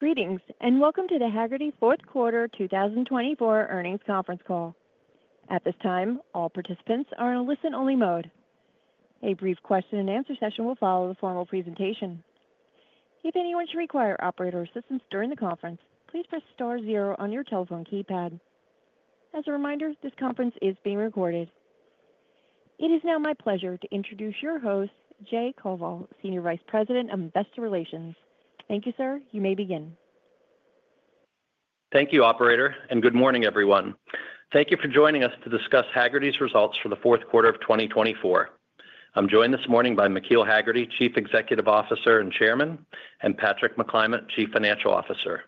Greetings, and welcome to the Hagerty Fourth Quarter 2024 Earnings Conference Call. At this time, all participants are in a listen-only mode. A brief question-and-answer session will follow the formal presentation. If anyone should require operator assistance during the conference, please press star zero on your telephone keypad. As a reminder, this conference is being recorded. It is now my pleasure to introduce your host, Jay Koval Senior Vice President of Investor Relations. Thank you, sir. You may begin. Thank you Operator and good morning everyone. Thank you for joining us to discuss Hagerty's results for the fourth quarter of 2024. I'm joined this morning by McKeel Hagerty, Chief Executive Officer and Chairman, and Patrick McClymont, Chief Financial Officer.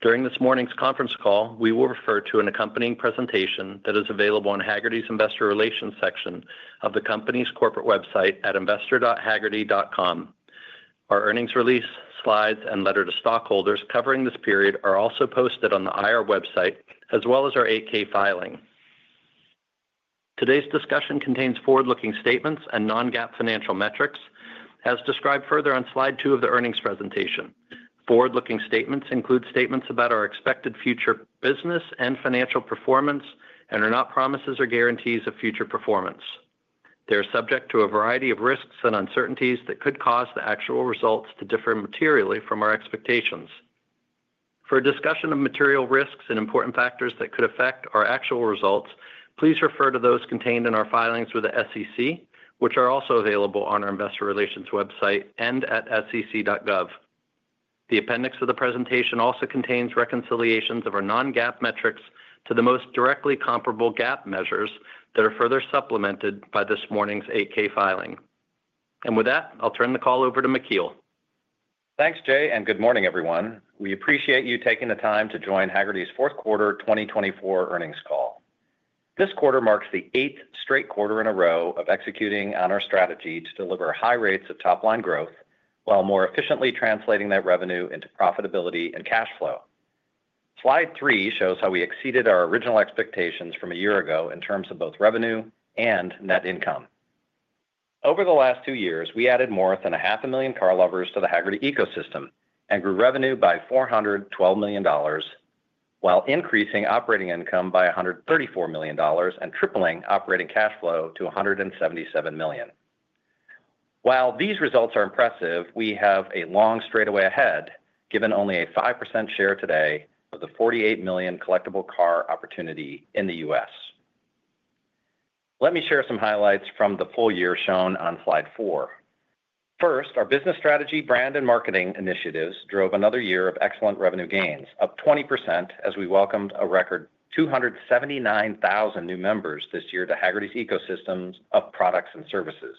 During this morning's conference call, we will refer to an accompanying presentation that is available on Hagerty's Investor Relations section of the company's corporate website at investor.hagerty.com. Our earnings release slides and letter to stockholders covering this period are also posted on the IR website, as well as our 8-K filing. Today's discussion contains forward-looking statements and non-GAAP financial metrics, as described further on slide two of the earnings presentation. Forward-looking statements include statements about our expected future business and financial performance and are not promises or guarantees of future performance. They are subject to a variety of risks and uncertainties that could cause the actual results to differ materially from our expectations. For a discussion of material risks and important factors that could affect our actual results, please refer to those contained in our filings with the SEC, which are also available on our Investor Relations website and at sec.gov. The appendix of the presentation also contains reconciliations of our non-GAAP metrics to the most directly comparable GAAP measures that are further supplemented by this morning's 8-K filing. With that, I'll turn the call over to McKeel. Thanks Jay and good morning everyone. We appreciate you taking the time to join Hagerty's Fourth Quarter 2024 Earnings Call. This quarter marks the eighth straight quarter in a row of executing on our strategy to deliver high rates of top-line growth while more efficiently translating that revenue into profitability and cash flow. Slide three shows how we exceeded our original expectations from a year ago in terms of both revenue and net income. Over the last two years, we added more than 500,000 car lovers to the Hagerty ecosystem and grew revenue by $412 million while increasing operating income by $134 million and tripling operating cash flow to $177 million. While these results are impressive, we have a long straightaway ahead, given only a 5% share today of the 48 million collectible car opportunity in the U.S. Let me share some highlights from the full year shown on slide four. First, our business strategy brand and marketing initiatives drove another year of excellent revenue gains up 20%, as we welcomed a record 279,000 new members this year to Hagerty's ecosystem of products and services.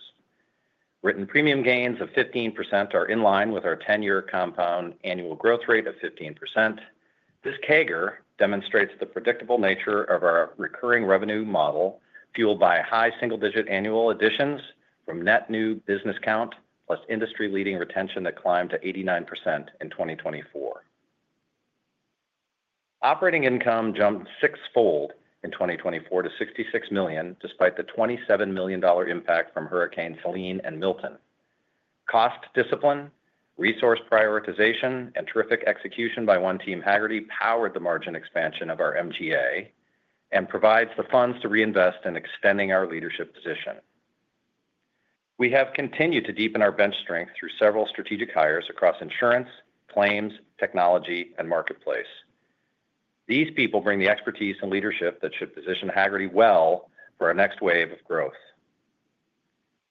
Written premium gains of 15% are in line with our 10-year compound annual growth rate of 15%. This CAGR demonstrates the predictable nature of our recurring revenue model fueled by high single-digit annual additions from net new business count plus industry-leading retention that climbed to 89% in 2024. Operating income jumped sixfold in 2024 to $66 million, despite the $27 million impact from Hurricane Helene and Milton. Cost discipline, resource prioritization and terrific execution by one team Hagerty powered the margin expansion of our MGA and provides the funds to reinvest in extending our leadership position. We have continued to deepen our bench strength through several strategic hires across insurance, claims, technology, and marketplace. These people bring the expertise and leadership that should position Hagerty well for our next wave of growth.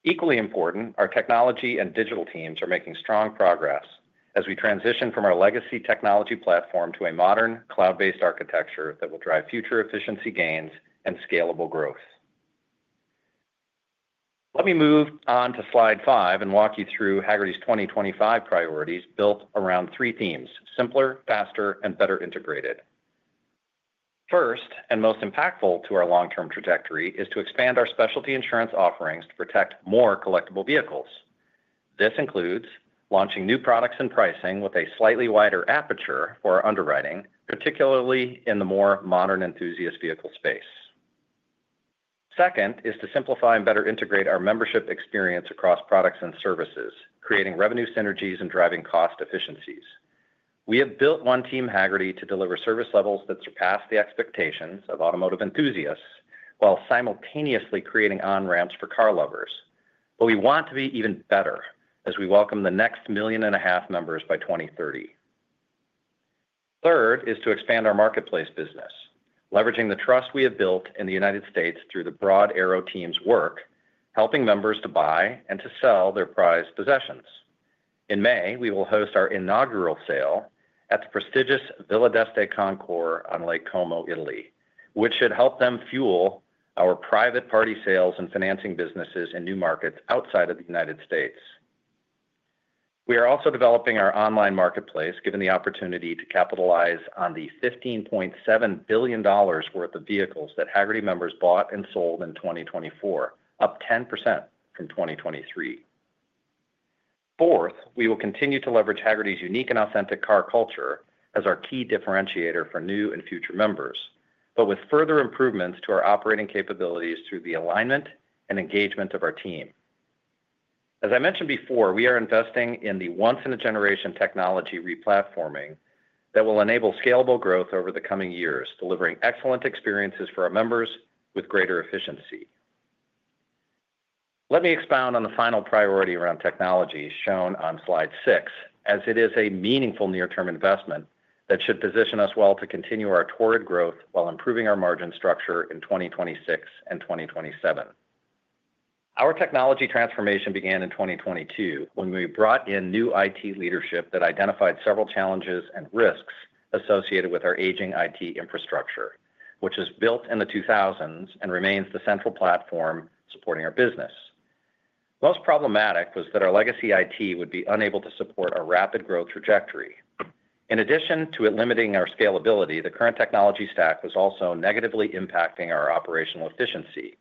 Equally important, our technology and digital teams are making strong progress as we transition from our legacy technology platform to a modern cloud-based architecture that will drive future efficiency gains and scalable growth. Let me move on to slide five and walk you through Hagerty's 2025 priorities built around three themes: simpler, faster, and better integrated. First and most impactful to our long-term trajectory is to expand our specialty insurance offerings to protect more collectible vehicles. This includes launching new products and pricing with a slightly wider aperture for our underwriting, particularly in the more modern enthusiast vehicle space. Second is to simplify and better integrate our membership experience across products and services, creating revenue synergies and driving cost efficiencies. We have built one team Hagerty to deliver service levels that surpass the expectations of automotive enthusiasts while simultaneously creating on-ramps for car lovers. We want to be even better as we welcome the next million and a half members by 2030. Third is to expand our marketplace business, leveraging the trust we have built in the United States through the Broad Arrow team's work, helping members to buy and to sell their prized possessions. In May, we will host our inaugural sale at the prestigious Villa d'Este Concours on Lake Como Italy, which should help fuel our private party sales and financing businesses in new markets outside of the United States. We are also developing our online marketplace, given the opportunity to capitalize on the $15.7 billion worth of vehicles that Hagerty members bought and sold in 2024, up 10% from 2023. Fourth, we will continue to leverage Hagerty's unique and authentic car culture as our key differentiator for new and future members, but with further improvements to our operating capabilities through the alignment and engagement of our team. As I mentioned before, we are investing in the once-in-a-generation technology replatforming that will enable scalable growth over the coming years, delivering excellent experiences for our members with greater efficiency. Let me expound on the final priority around technology shown on slide six, as it is a meaningful near-term investment that should position us well to continue our torrid growth while improving our margin structure in 2026 and 2027. Our technology transformation began in 2022 when we brought in new IT leadership that identified several challenges and risks associated with our aging IT infrastructure, which was built in the 2000s and remains the central platform supporting our business. Most problematic was that our legacy IT would be unable to support a rapid growth trajectory. In addition to it limiting our scalability, the current technology stack was also negatively impacting our operational efficiency,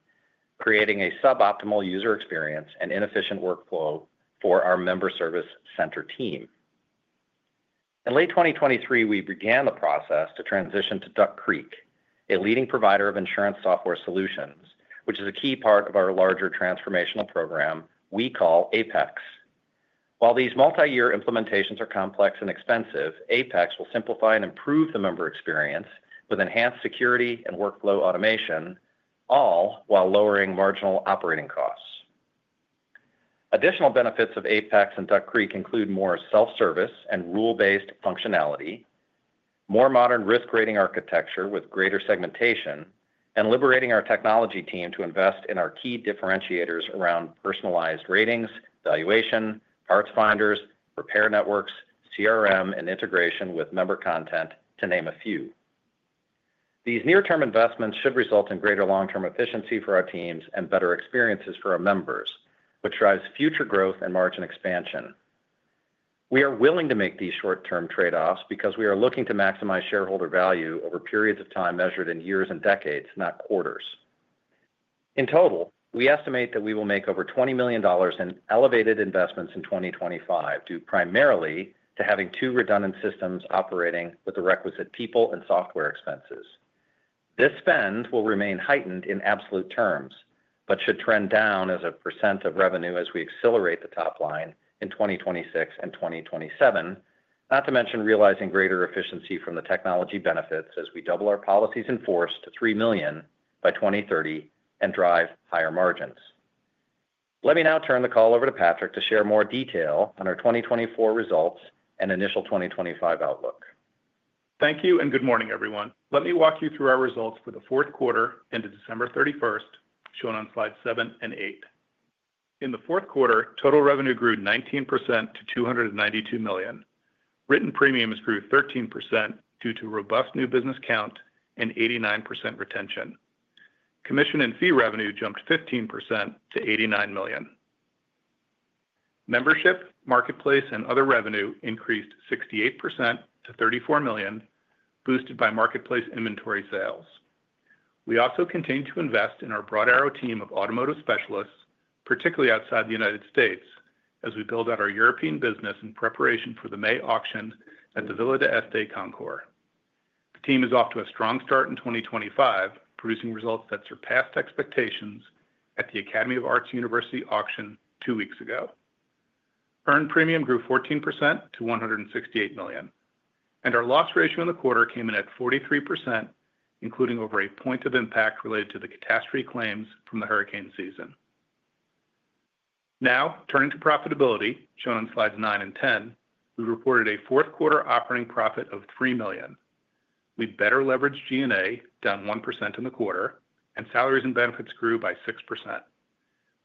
creating a suboptimal user experience and inefficient workflow for our member service center team. In late 2023, we began the process to transition to Duck Creek, a leading provider of insurance software solutions, which is a key part of our larger transformational program we call Apex. While these multi-year implementations are complex and expensive, Apex will simplify and improve the member experience with enhanced security and workflow automation, all while lowering marginal operating costs. Additional benefits of Apex and Duck Creek include more self-service and rule-based functionality, more modern risk-rating architecture with greater segmentation, and liberating our technology team to invest in our key differentiators around personalized ratings, valuation, parts finders, repair networks, CRM, and integration with member content, to name a few. These near-term investments should result in greater long-term efficiency for our teams and better experiences for our members, which drives future growth and margin expansion. We are willing to make these short-term trade-offs because we are looking to maximize shareholder value over periods of time measured in years and decades, not quarters. In total, we estimate that we will make over $20 million in elevated investments in 2025 due primarily to having two redundant systems operating with the requisite people and software expenses. This spend will remain heightened in absolute terms, but should trend down as a % of revenue as we accelerate the top line in 2026 and 2027, not to mention realizing greater efficiency from the technology benefits as we double our policies in force to $3 million by 2030 and drive higher margins. Let me now turn the call over to Patrick to share more detail on our 2024 results and initial 2025 outlook. Thank you and good morning everyone. Let me walk you through our results for the fourth quarter ended December 31, shown on slides seven and eight. In the fourth quarter, total revenue grew 19% to $292 million. Written premiums grew 13% due to robust new business count and 89% retention. Commission and fee revenue jumped 15% to $89 million. Membership, marketplace, and other revenue increased 68% to $34 million, boosted by marketplace inventory sales. We also continue to invest in our Broad Arrow team of automotive specialists particularly outside the United States, as we build out our European business in preparation for the May auction at the Villa d'Este Concours. The team is off to a strong start in 2025 producing results that surpassed expectations at the Academy of Art University auction two weeks ago. Earned premium grew 14% to $168 million, and our loss ratio in the quarter came in at 43%, including over a point of impact related to the catastrophe claims from the hurricane season. Now, turning to profitability, shown on slides nine and ten, we reported a fourth quarter operating profit of $3 million. We better leveraged G&A, down 1% in the quarter, and salaries and benefits grew by 6%.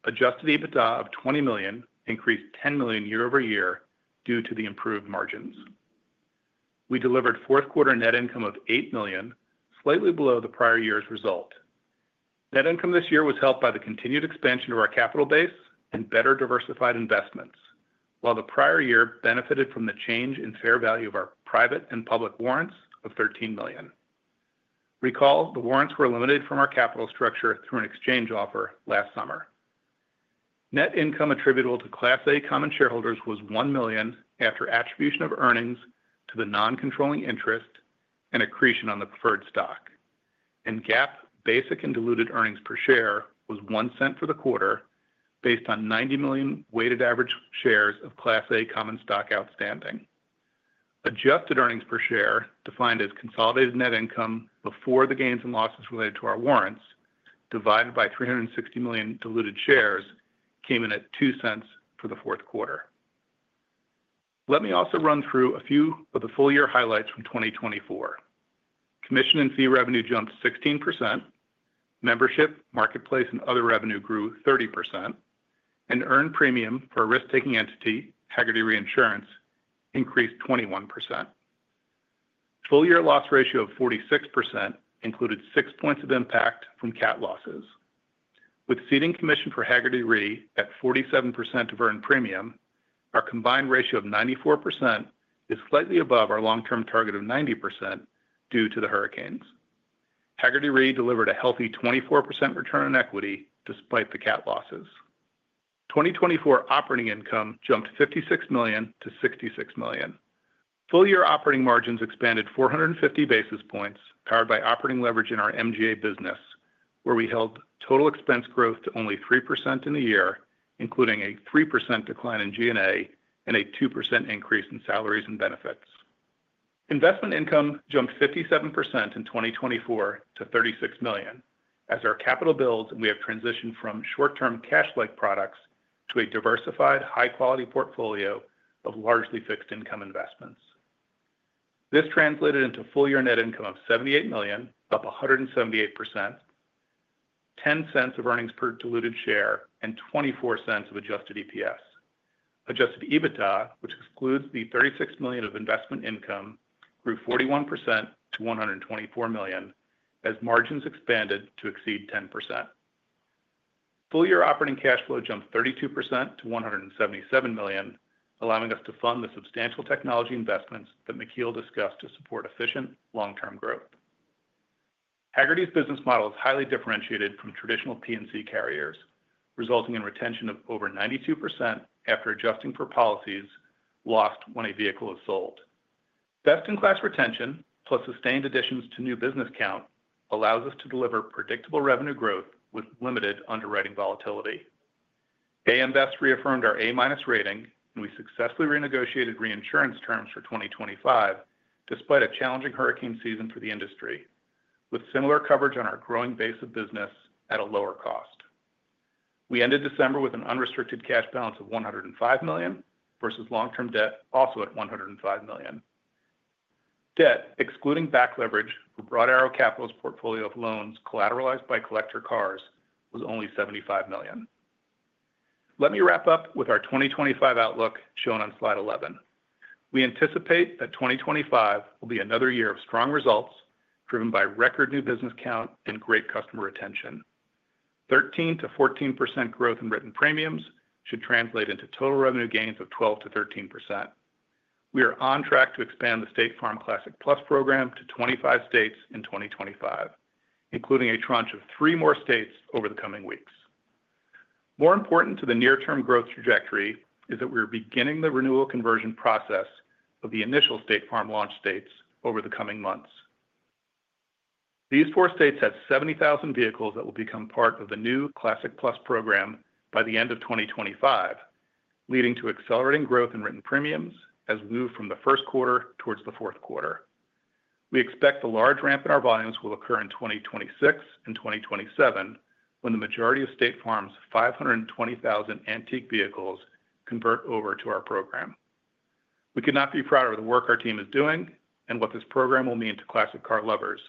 Adjusted EBITDA of $20 million increased $10 million year over year due to the improved margins. We delivered fourth quarter net income of $8 million, slightly below the prior year's result. Net income this year was helped by the continued expansion of our capital base and better diversified investments, while the prior year benefited from the change in fair value of our private and public warrants of $13 million. Recall, the warrants were eliminated from our capital structure through an exchange offer last summer. Net income attributable to Class A common shareholders was $1 million after attribution of earnings to the non-controlling interest and accretion on the preferred stock. GAAP basic and diluted earnings per share was $0.01 for the quarter, based on 90 million weighted average shares of Class A common stock outstanding. Adjusted earnings per share, defined as consolidated net income before the gains and losses related to our warrants, divided by 360 million diluted shares, came in at $0.02 for the fourth quarter. Let me also run through a few of the full-year highlights from 2024. Commission and fee revenue jumped 16%. Membership, marketplace, and other revenue grew 30%. Earned premium for a risk-taking entity, Hagerty Reinsurance, increased 21%. Full-year loss ratio of 46% included six points of impact from CAT losses. With seating commission for Hagerty Re at 47% of earned premium, our combined ratio of 94% is slightly above our long-term target of 90% due to the hurricanes. Hagerty Re delivered a healthy 24% return on equity despite the CAT losses. 2024 operating income jumped $56 million to $66 million. Full-year operating margins expanded 450 basis points powered by operating leverage in our MGA business, where we held total expense growth to only 3% in the year, including a 3% decline in G&A and a 2% increase in salaries and benefits. Investment income jumped 57% in 2024 to $36 million, as our capital builds and we have transitioned from short-term cash-like products to a diversified, high-quality portfolio of largely fixed income investments. This translated into full-year net income of $78 million, up 178%, $0.10 of earnings per diluted share, and $0.24 of adjusted EPS. Adjusted EBITDA, which excludes the $36 million of investment income, grew 41% to $124 million as margins expanded to exceed 10%. Full-year operating cash flow jumped 32% to $177 million, allowing us to fund the substantial technology investments that McKeel discussed to support efficient long-term growth. Hagerty's business model is highly differentiated from traditional P&C carriers, resulting in retention of over 92% after adjusting for policies lost when a vehicle is sold. Best-in-class retention, plus sustained additions to new business count, allows us to deliver predictable revenue growth with limited underwriting volatility. AM Best reaffirmed our A-rating, and we successfully renegotiated reinsurance terms for 2025, despite a challenging hurricane season for the industry, with similar coverage on our growing base of business at a lower cost. We ended December with an unrestricted cash balance of $105 million versus long-term debt also at $105 million. Debt, excluding back leverage, for Broad Arrow Capital's portfolio of loans collateralized by collector cars was only $75 million. Let me wrap up with our 2025 outlook shown on slide 11. We anticipate that 2025 will be another year of strong results driven by record new business count and great customer retention. 13%-14% growth in written premiums should translate into total revenue gains of 12%-13%. We are on track to expand the State Farm Classic Plus program to 25 states in 2025, including a tranche of three more states over the coming weeks. More important to the near-term growth trajectory is that we are beginning the renewal conversion process of the initial State Farm launch states over the coming months. These four states have 70,000 vehicles that will become part of the new Classic Plus program by the end of 2025, leading to accelerating growth in written premiums as we move from the first quarter towards the fourth quarter. We expect the large ramp in our volumes will occur in 2026 and 2027 when the majority of State Farm's 520,000 antique vehicles convert over to our program. We could not be prouder of the work our team is doing and what this program will mean to classic car lovers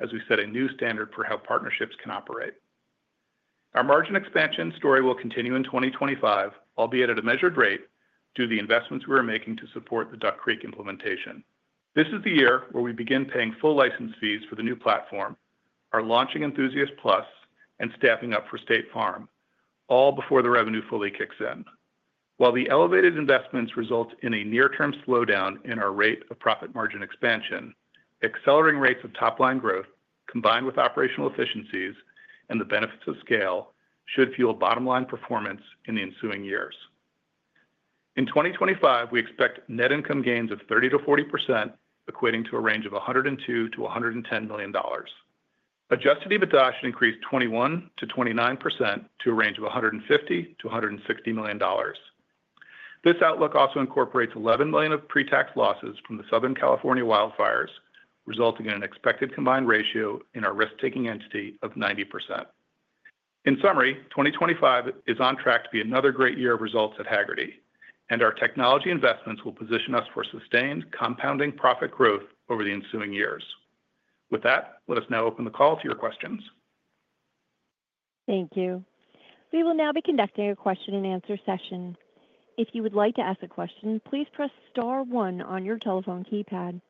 as we set a new standard for how partnerships can operate. Our margin expansion story will continue in 2025, albeit at a measured rate due to the investments we are making to support the Duck Creek implementation. This is the year where we begin paying full license fees for the new platform, our launching Enthusiast Plus, and staffing up for State Farm, all before the revenue fully kicks in. While the elevated investments result in a near-term slowdown in our rate of profit margin expansion, accelerating rates of top-line growth combined with operational efficiencies and the benefits of scale should fuel bottom-line performance in the ensuing years. In 2025, we expect net income gains of 30%-40%, equating to a range of $102 million-$110 million. Adjusted EBITDA should increase 21%-29% to a range of $150 million-$160 million. This outlook also incorporates $11 million of pre-tax losses from the Southern California wildfires, resulting in an expected combined ratio in our risk-taking entity of 90%. In summary, 2025 is on track to be another great year of results at Hagerty, and our technology investments will position us for sustained compounding profit growth over the ensuing years. With that, let us now open the call to your questions. Thank you. We will now be conducting a question-and-answer session. If you would like to ask a question, please press Star 1 on your telephone keypad.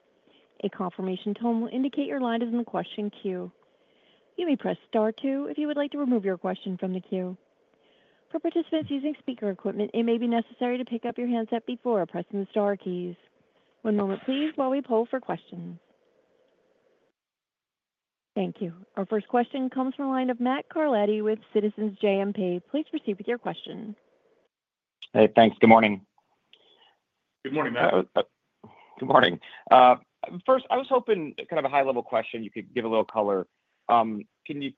A confirmation tone will indicate your line is in the question queue. You may press Star 2 if you would like to remove your question from the queue. For participants using speaker equipment, it may be necessary to pick up your handset before pressing the Star keys. One moment, please, while we poll for questions. Thank you. Our first question comes from a line of Matt Carletti with Citizens JMP. Please proceed with your question. Hey, thanks. Good morning. Good morning, Matt. Good morning. First, I was hoping kind of a high-level question you could give a little color. Can you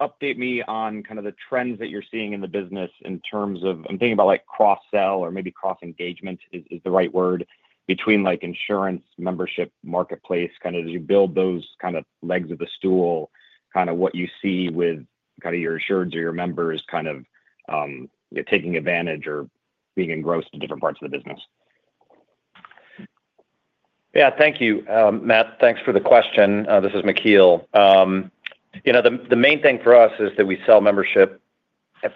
just update me on kind of the trends that you're seeing in the business in terms of I'm thinking about cross-sell or maybe cross-engagement is the right word between insurance, membership, marketplace, kind of as you build those kind of legs of the stool, kind of what you see with kind of your insureds or your members kind of taking advantage or being engrossed in different parts of the business? Yeah, thank you Matt. Thanks for the question. This is McKeel. The main thing for us is that we sell membership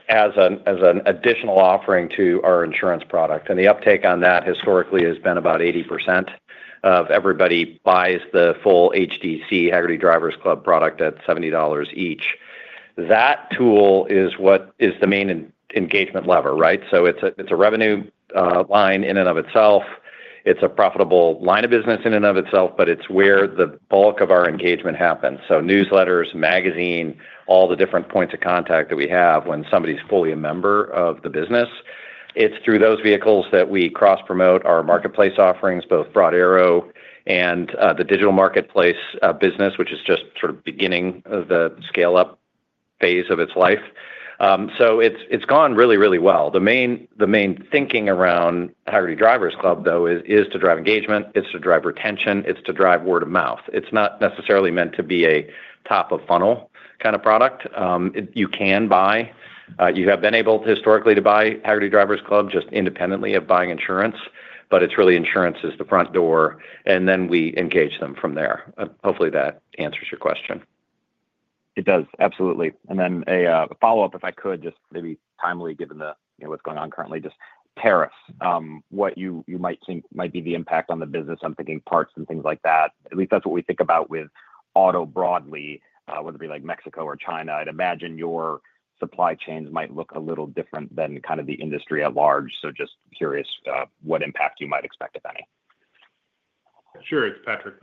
as an additional offering to our insurance product. The uptake on that historically has been about 80% of everybody buys the full HDC Hagerty Drivers Club product at $70 each. That tool is the main engagement lever, right? It is a revenue line in and of itself. It is a profitable line of business in and of itself, but it is where the bulk of our engagement happens. Newsletters, magazine, all the different points of contact that we have when somebody is fully a member of the business. It is through those vehicles that we cross-promote our marketplace offerings, both Broad Arrow and the digital marketplace business, which is just sort of beginning the scale-up phase of its life. It has gone really, really well. The main thinking around Hagerty Drivers Club though is to drive engagement. It's to drive retention. It's to drive word of mouth. It's not necessarily meant to be a top-of-funnel kind of product. You can buy. You have been able historically to buy Hagerty Drivers Club just independently of buying insurance, but it's really insurance is the front door, and then we engage them from there. Hopefully, that answers your question. It does. Absolutely. A follow-up, if I could, just maybe timely given what's going on currently, just tariffs. What you might think might be the impact on the business? I'm thinking parts and things like that. At least that's what we think about with auto broadly, whether it be Mexico or China. I'd imagine your supply chains might look a little different than kind of the industry at large? Just curious what impact you might expect, if any. Sure. It's Patrick,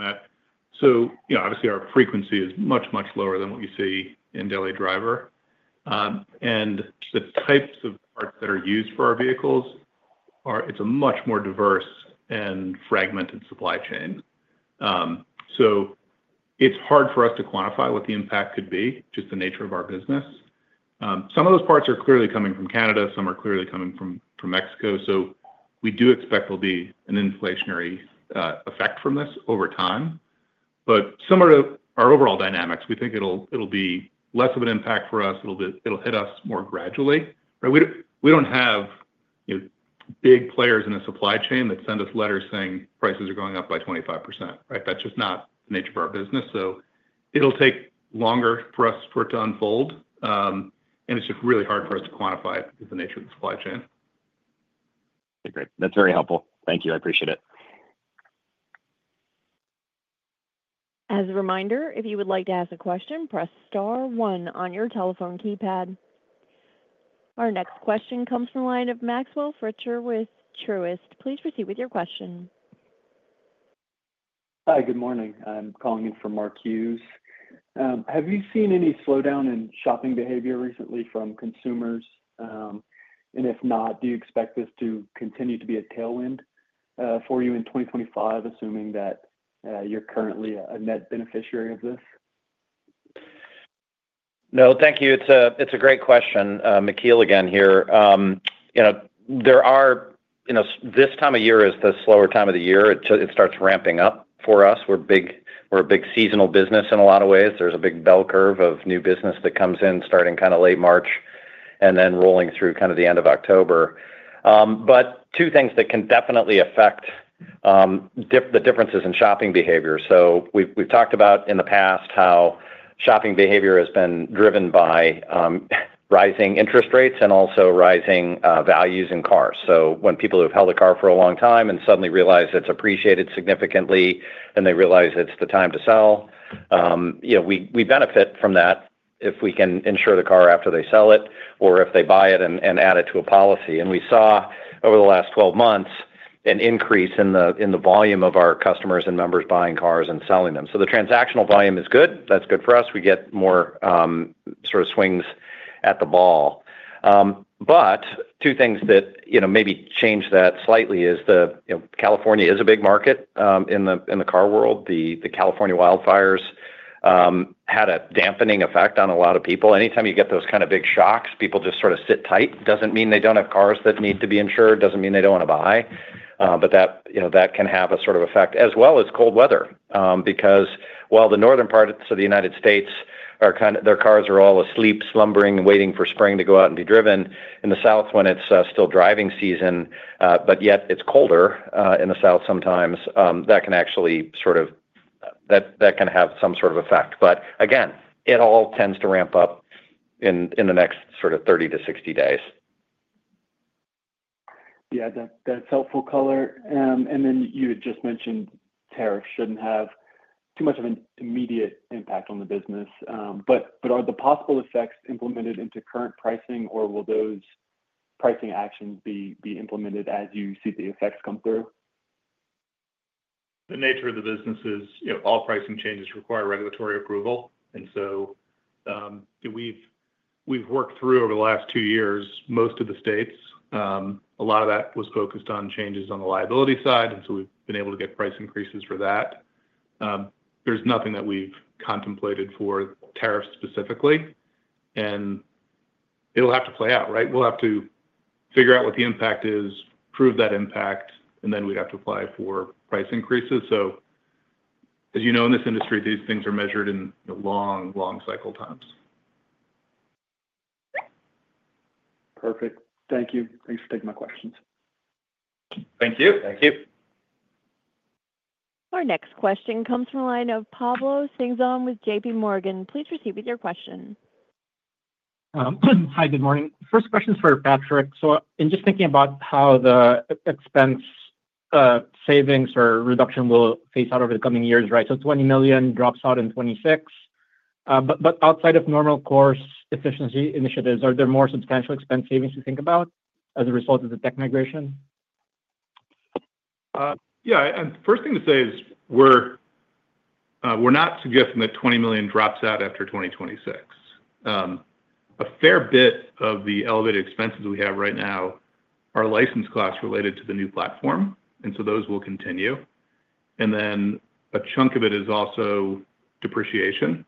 Matt. Obviously, our frequency is much, much lower than what you see in daily driver. The types of parts that are used for our vehicles, it's a much more diverse and fragmented supply chain. It's hard for us to quantify what the impact could be, just the nature of our business. Some of those parts are clearly coming from Canada. Some are clearly coming from Mexico. We do expect there'll be an inflationary effect from this over time. Similar to our overall dynamics, we think it'll be less of an impact for us. It'll hit us more gradually. We don't have big players in the supply chain that send us letters saying prices are going up by 25%, right? That's just not the nature of our business. It'll take longer for us for it to unfold. It is just really hard for us to quantify the nature of the supply chain. Okay, great. That's very helpful. Thank you. I appreciate it. As a reminder, if you would like to ask a question, press Star 1 on your telephone keypad. Our next question comes from a line of Maxwell Fritscher with Truist. Please proceed with your question. Hi, good morning. I'm calling in from Marques. Have you seen any slowdown in shopping behavior recently from consumers? If not, do you expect this to continue to be a tailwind for you in 2025, assuming that you're currently a net beneficiary of this? No, thank you. It's a great question. McKeel again here. This time of year is the slower time of the year. It starts ramping up for us. We're a big seasonal business in a lot of ways. There's a big bell curve of new business that comes in starting kind of late March and then rolling through kind of the end of October. Two things that can definitely affect the differences in shopping behavior. We've talked about in the past how shopping behavior has been driven by rising interest rates and also rising values in cars. When people who have held a car for a long time and suddenly realize it's appreciated significantly and they realize it's the time to sell, we benefit from that if we can insure the car after they sell it or if they buy it and add it to a policy. Over the last 12 months, we saw an increase in the volume of our customers and members buying cars and selling them. The transactional volume is good. That's good for us. We get more sort of swings at the ball. Two things that maybe change that slightly are California is a big market in the car world. The California wildfires had a dampening effect on a lot of people. Anytime you get those kind of big shocks, people just sort of sit tight. It does not mean they do not have cars that need to be insured. It does not mean they do not want to buy. That can have a sort of effect, as well as cold weather. Because while the northern parts of the United States, their cars are all asleep, slumbering, waiting for spring to go out and be driven, in the south, when it's still driving season, yet it's colder in the south sometimes, that can actually sort of have some sort of effect. Again, it all tends to ramp up in the next sort of 30 to 60 days. Yeah, that's helpful color. You had just mentioned tariffs shouldn't have too much of an immediate impact on the business. Are the possible effects implemented into current pricing, or will those pricing actions be implemented as you see the effects come through? The nature of the business is all pricing changes require regulatory approval. We've worked through over the last two years most of the states. A lot of that was focused on changes on the liability side. We've been able to get price increases for that. There's nothing that we've contemplated for tariffs specifically. It'll have to play out, right? We'll have to figure out what the impact is, prove that impact, and then we'd have to apply for price increases. As you know in this industry these things are measured in long long cycle times. Perfect. Thank you. Thanks for taking my questions. Thank you. Thank you. Our next question comes from a line of Pablo Singzon with JP Morgan. Please proceed with your question. Hi, good morning. First question is for Patrick. In just thinking about how the expense savings or reduction will phase out over the coming years, right? $20 million drops out in 2026. Outside of normal course efficiency initiatives, are there more substantial expense savings to think about as a result of the tech migration? Yeah. The first thing to say is we're not suggesting that $20 million drops out after 2026. A fair bit of the elevated expenses we have right now are license costs related to the new platform. Those will continue. A chunk of it is also depreciation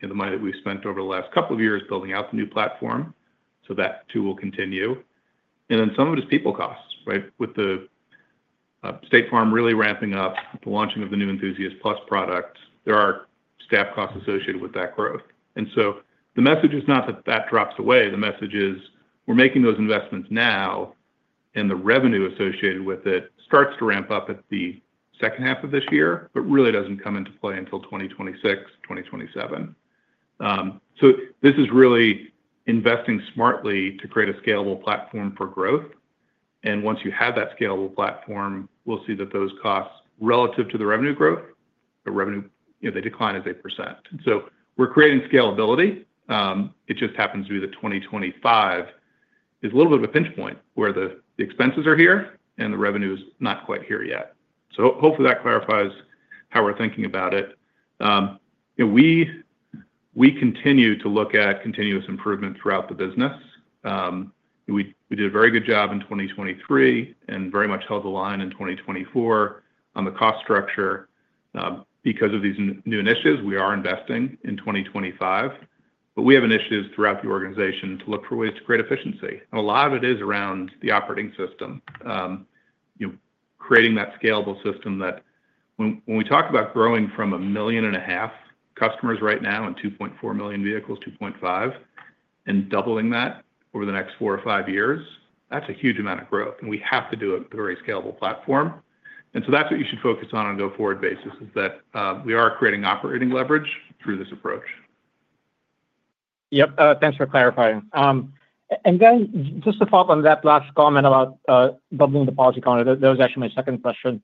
in the money that we've spent over the last couple of years building out the new platform. That too will continue. Some of it is people costs, right? With State Farm really ramping up the launching of the new Enthusiast Plus product, there are staff costs associated with that growth. The message is not that that drops away. The message is we're making those investments now, and the revenue associated with it starts to ramp up at the second half of this year, but really doesn't come into play until 2026, 2027. This is really investing smartly to create a scalable platform for growth. Once you have that scalable platform, we'll see that those costs relative to the revenue growth, the revenue, they decline as a %. We're creating scalability. It just happens to be that 2025 is a little bit of a pinch point where the expenses are here and the revenue is not quite here yet. Hopefully that clarifies how we're thinking about it. We continue to look at continuous improvement throughout the business. We did a very good job in 2023 and very much held the line in 2024 on the cost structure. Because of these new initiatives we are investing in 2025. We have initiatives throughout the organization to look for ways to create efficiency. A lot of it is around the operating system, creating that scalable system that when we talk about growing from a million and a half customers right now and 2.4 million vehicles, 2.5 million, and doubling that over the next four or five years, that's a huge amount of growth. We have to do a very scalable platform. That is what you should focus on on a go-forward basis, that we are creating operating leverage through this approach. Yep. Thanks for clarifying. Just to follow up on that last comment about doubling the policy counter, that was actually my second question.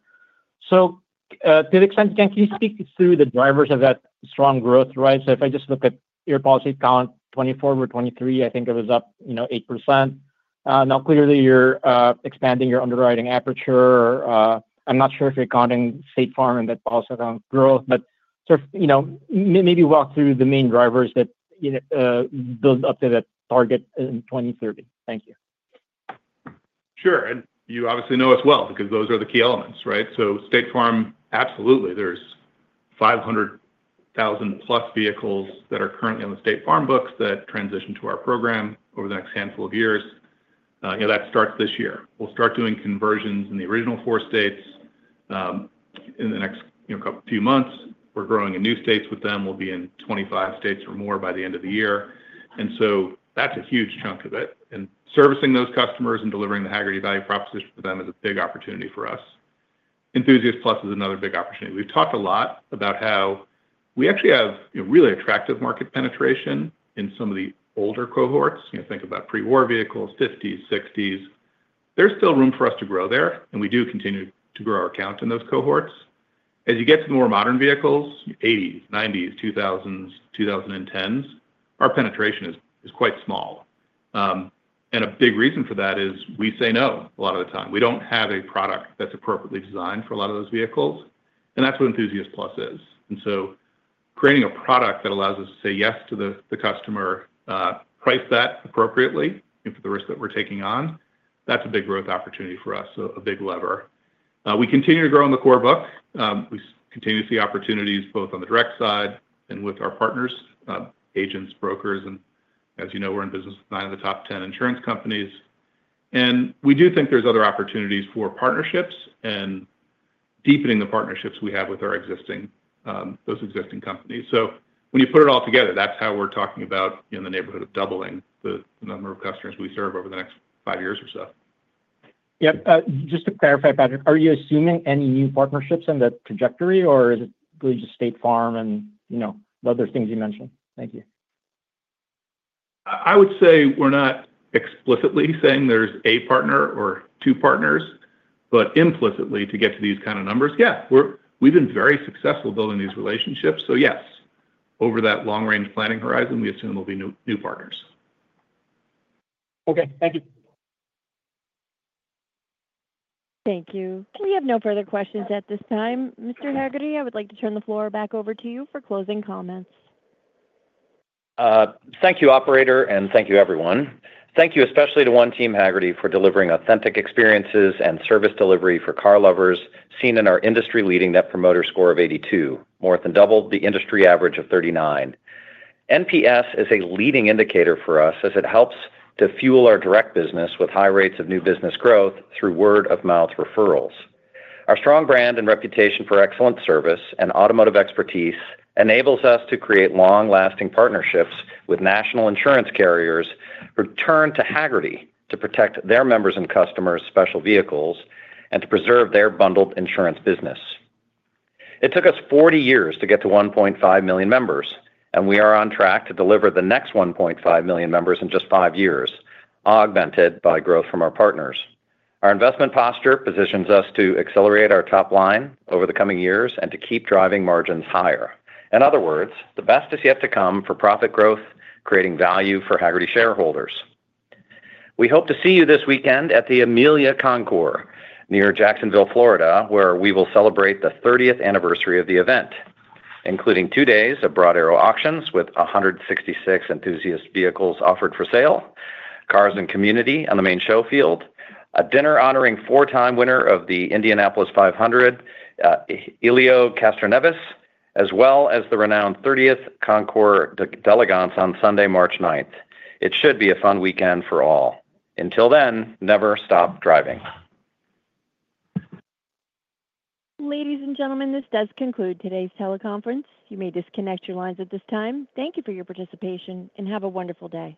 To the extent you can, can you speak through the drivers of that strong growth, right? If I just look at your policy count, 2024 or 2023, I think it was up 8%. Now, clearly, you're expanding your underwriting aperture. I'm not sure if you're counting State Farm in that policy count growth, but sort of maybe walk through the main drivers that build up to that target in 2030. Thank you. Sure. You obviously know as well because those are the key elements, right? State Farm, absolutely. There are 500,000-plus vehicles that are currently on the State Farm books that transition to our program over the next handful of years. That starts this year. We will start doing conversions in the original four states in the next few months. We are growing in new states with them. We will be in 25 states or more by the end of the year. That is a huge chunk of it. Servicing those customers and delivering the Hagerty value proposition for them is a big opportunity for us. Enthusiast Plus is another big opportunity. We have talked a lot about how we actually have really attractive market penetration in some of the older cohorts. Think about pre-war vehicles, '50s, '60s. There's still room for us to grow there, and we do continue to grow our account in those cohorts. As you get to the more modern vehicles, '80s, '90s, 2000s, 2010s, our penetration is quite small. A big reason for that is we say no a lot of the time. We don't have a product that's appropriately designed for a lot of those vehicles. That's what Enthusiast Plus is. Creating a product that allows us to say yes to the customer, price that appropriately for the risk that we're taking on, that's a big growth opportunity for us, a big lever. We continue to grow on the core book. We continue to see opportunities both on the direct side and with our partners, agents, brokers. As you know, we're in business with nine of the top 10 insurance companies. We do think there's other opportunities for partnerships and deepening the partnerships we have with those existing companies. When you put it all together, that's how we're talking about in the neighborhood of doubling the number of customers we serve over the next five years or so. Yep. Just to clarify Patrick, are you assuming any new partnerships in the trajectory, or is it really just State Farm and other things you mentioned? Thank you. I would say we're not explicitly saying there's a partner or two partners, but implicitly to get to these kind of numbers, yeah, we've been very successful building these relationships. Yes, over that long-range planning horizon, we assume there'll be new partners. Okay. Thank you. Thank you. We have no further questions at this time. Mr. Hagerty, I would like to turn the floor back over to you for closing comments. Thank you, operator, and thank you, everyone. Thank you especially to One Team Hagerty for delivering authentic experiences and service delivery for car lovers seen in our industry-leading Net Promoter Score of 82, more than double the industry average of 39. NPS is a leading indicator for us as it helps to fuel our direct business with high rates of new business growth through word-of-mouth referrals. Our strong brand and reputation for excellent service and automotive expertise enables us to create long-lasting partnerships with national insurance carriers who turn to Hagerty to protect their members and customers' special vehicles and to preserve their bundled insurance business. It took us 40 years to get to 1.5 million members, and we are on track to deliver the next 1.5 million members in just five years, augmented by growth from our partners. Our investment posture positions us to accelerate our top line over the coming years and to keep driving margins higher. In other words, the best is yet to come for profit growth, creating value for Hagerty shareholders. We hope to see you this weekend at the Amelia Concours near Jacksonville, Florida, where we will celebrate the 30th anniversary of the event, including two days of Broad Arrow auctions with 166 Enthusiast vehicles offered for sale, Cars in Community on the main show field, a dinner honoring four-time winner of the Indianapolis 500, Ilio Kastronevis, as well as the renowned 30th Concours d'Elegance on Sunday, March 9th. It should be a fun weekend for all. Until then, never stop driving. Ladies and gentlemen, this does conclude today's teleconference. You may disconnect your lines at this time. Thank you for your participation and have a wonderful day.